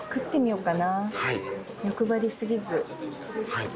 はい。